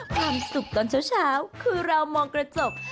ความสุขตอนเช้าคือเรามองกระจก